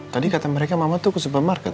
tadi kata mereka mama tuh ke supermarket